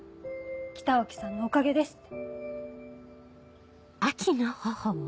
北脇さんのおかげですって。